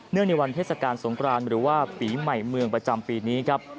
ในวันเทศกาลสงครานหรือว่าปีใหม่เมืองประจำปีนี้ครับ